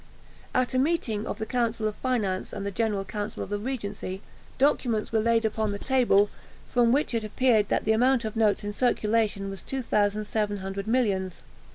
At a meeting of the Council of Finance and the General Council of the Regency, documents were laid upon the table, from which it appeared that the amount of notes in circulation was 2700 millions.